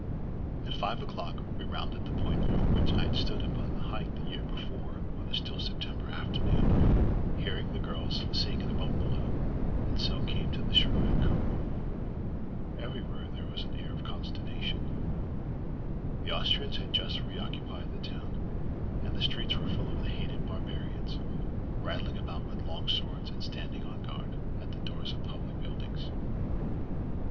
At five o'clock we rounded the point over which I had stood upon the height the year before on a still September afternoon hearing the girls sing in a boat below, and so came to the shore at Como. Everywhere there was an air of consternation. The Austrians had just re occupied the town, and the streets were full of the "hated barbarians," rattling about with long swords and standing on guard at the doors of public buildings.